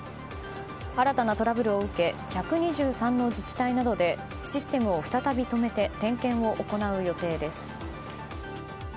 新たなトラブルを受け１２３の自治体などでシステムを再び止めて点検を行う予定です。